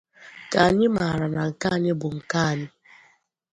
Ka anyị mara na nke anyị bụ nke anyị